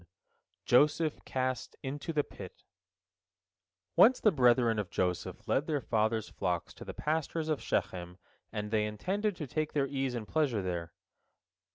JOSEPH CAST INTO THE PIT Once the brethren of Joseph led their father's flocks to the pastures of Shechem, and they intended to take their ease and pleasure there.